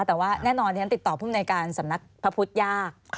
แต่ว่าแน่นอนที่ฉันติดต่อภูมิในการสำนักพระพุทธยาก